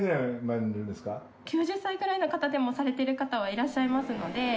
の方でもされてる方はいらっしゃいますので。